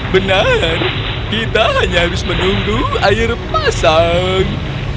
benar kita hanya harus menunggu air pasang